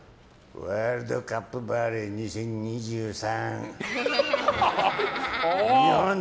ワールドカップバレー２０２３